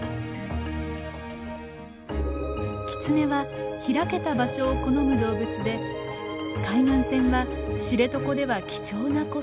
キツネは開けた場所を好む動物で海岸線は知床では貴重な子育ての場。